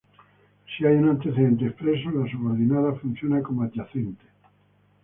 Si hay un antecedente expreso, la subordinada funciona como adyacente.